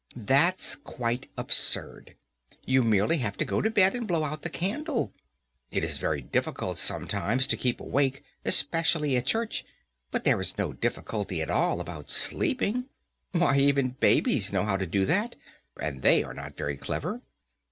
"That's quite absurd! You have merely to go to bed and blow out the candle. It is very difficult sometimes to keep awake, especially at church, but there is no difficulty at all about sleeping. Why, even babies know how to do that, and they are not very clever."